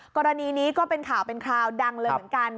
กรณีนี้ก็เป็นข่าวเป็นคราวดังเลยเหมือนกัน